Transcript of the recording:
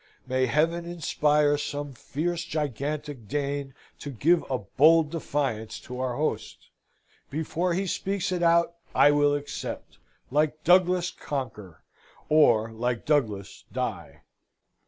May Heaven inspire some fierce gigantic Dane To give a bold defiance to our host! Before he speaks it out, I will accept, Like Douglas conquer, or like Douglas die!"